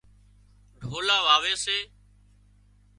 ڍولا واوي سي